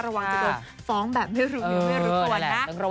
ระวังจะโดนฟ้องแบบไม่รู้เนื้อไม่รู้ตัวนะ